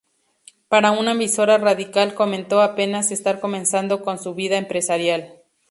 Para una emisora radial comentó apenas estar comenzando con su vida empresarial.